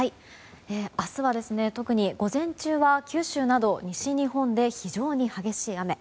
明日は特に午前中は九州など西日本で非常に激しい雨。